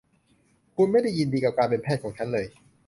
คุณไม่ได้ยินดีกับการเป็นแพทย์ของฉันเลย